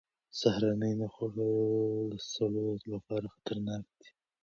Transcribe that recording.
سهارنۍ نه خوړل د سړو لپاره خطرناک دي.